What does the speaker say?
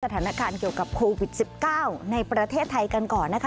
สถานการณ์เกี่ยวกับโควิด๑๙ในประเทศไทยกันก่อนนะคะ